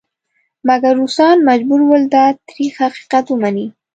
مګر روسان مجبور ول دا تریخ حقیقت ومني.